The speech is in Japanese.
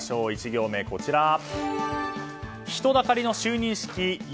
１行目、人だかりの就任式。